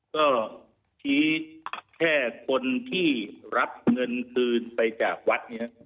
ก็ชี้แค่คนที่รับเงินคืนไปจากวัดเนี่ย